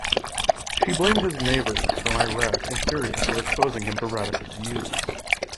She blamed his neighbours from Iraq and Syria for exposing him to radical views.